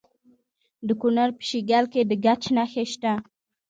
د کونړ په شیګل کې د ګچ نښې شته.